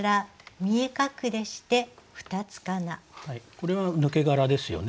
これは抜け殻ですよね。